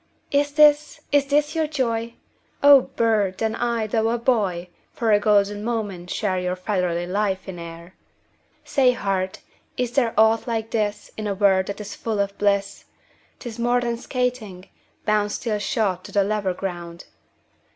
'Is this, is this your joy? O bird, then I, though a boy 10 For a golden moment share Your feathery life in air!' Say, heart, is there aught like this In a world that is full of bliss? 'Tis more than skating, bound 15 Steel shod to the level ground.